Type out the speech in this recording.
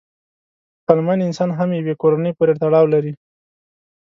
عقلمن انسان هم یوې کورنۍ پورې تړاو لري.